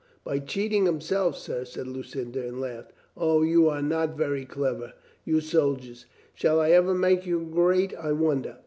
"By cheating himself, sir," said Lucinda and laughed. "O, you are not very clever, you soldiers. Shall I ever make you great, I wonder?"